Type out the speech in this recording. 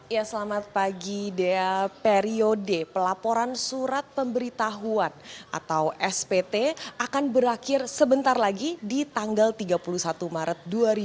ya selamat pagi dea periode pelaporan surat pemberitahuan atau spt akan berakhir sebentar lagi di tanggal tiga puluh satu maret dua ribu dua puluh